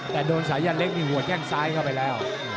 แต่โดนสายันเล็กมีหัวแข้งซ้ายเข้าไปแล้ว